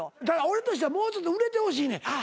ただ俺としてはもうちょっと売れてほしいねん。